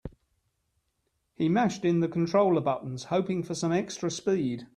He mashed in the controller buttons, hoping for some extra speed.